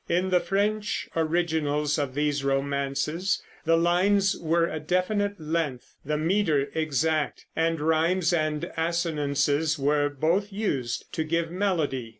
In the French originals of these romances the lines were a definite length, the meter exact, and rimes and assonances were both used to give melody.